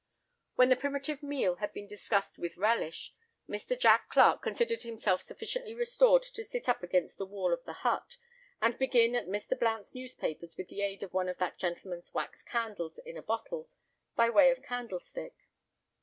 When the primitive meal had been discussed with relish, Mr. Jack Clarke considered himself sufficiently restored to sit up against the wall of the hut, and begin at Mr. Blount's newspapers with the aid of one of that gentleman's wax candles in a bottle, by way of candlestick.